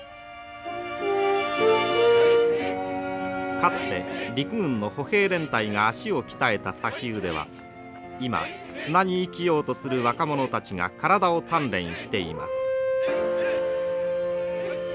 かつて陸軍の歩兵連隊が足を鍛えた砂丘では今砂に生きようとする若者たちが体を鍛錬しています。